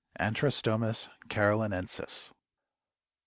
(_Antrostomus carolinensis.